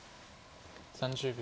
３０秒。